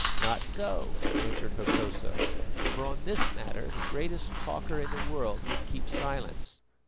"Not so," answered Hokosa, "for on this matter the greatest talker in the world would keep silence.